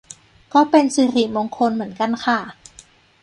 ก็เป็นสิริมงคลเหมือนกันค่ะ